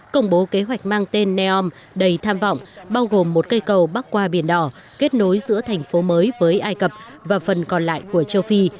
công bố kế hoạch mang tên neom đầy tham vọng bao gồm một cây cầu bắc qua biển đỏ kết nối giữa thành phố mới với ai cập và phần còn lại của châu phi